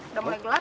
udah mulai gelap